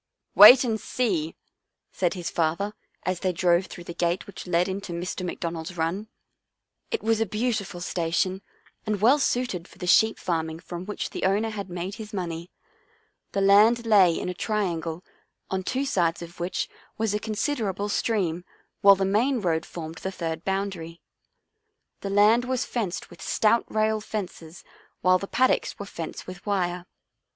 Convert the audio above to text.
" Wait and see," said his father as they drove through the gate which led into Mr. McDon ald's run. It was a beautiful station and well suited for the sheep farming from which the owner had made his money. The land lay in a triangle, on two sides of which was a considerable stream while the main road formed the third boundary. The land was fenced with stout rail fences while the paddocks were fenced with wire.